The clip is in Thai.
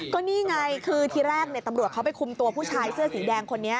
ก็นี่ไงคือทีแรกตำรวจเขาไปคุมตัวผู้ชายเสื้อสีแดงคนนี้